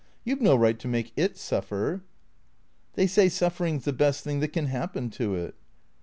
You 've no right to make It suffer." " They say suffering 's the best thing that can happen to it."